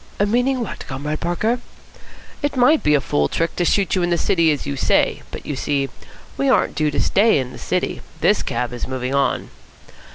"Meaning what, Comrade Parker?" "It might be a fool trick to shoot you in the city as you say, but, you see, we aren't due to stay in the city. This cab is moving on."